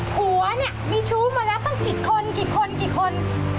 หัวเนี่ยมีชู้มาแล้วต้องกี่คน